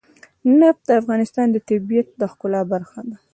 نفت د افغانستان د طبیعت د ښکلا برخه ده.